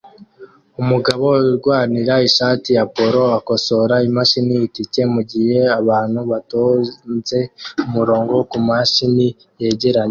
Umugabo urwanira ishati ya polo akosora imashini itike mugihe abantu batonze umurongo kumashini yegeranye